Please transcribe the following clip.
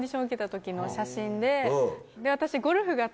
私。